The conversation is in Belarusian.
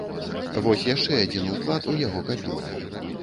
Вось яшчэ адзін уклад у яго капілку.